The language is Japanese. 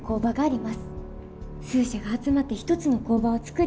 数社が集まって一つの工場を作り